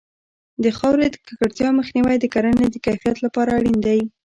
د خاورې د ککړتیا مخنیوی د کرنې د کیفیت لپاره اړین دی.